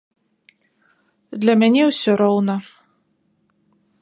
Для мяне ўсё роўна.